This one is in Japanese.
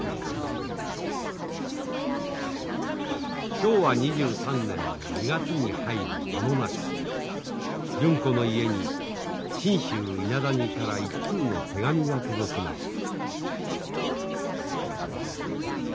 昭和２３年の２月に入り間もなく純子の家に信州伊那谷から一通の手紙が届きました。